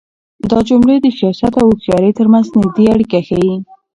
دا جملې د سياست او هوښيارۍ تر منځ نږدې اړيکه ښيي.